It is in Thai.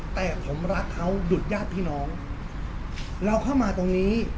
แต่ผมรักเขาหยุดญาติพี่น้องเราเข้ามาตรงนี้